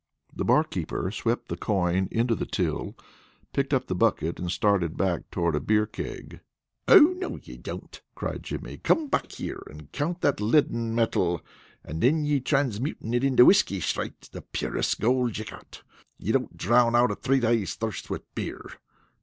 The barkeeper swept the coin into the till, picked up the bucket, and started back toward a beer keg. "Oh, no you don't!" cried Jimmy. "Come back here and count that 'leaden metal,' and then be transmutin' it into whiskey straight, the purest gold you got. You don't drown out a three days' thirst with beer.